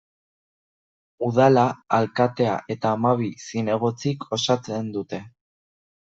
Udala alkatea eta hamabi zinegotzik osatzen dute.